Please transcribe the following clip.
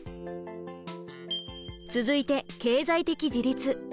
続いて経済的自立。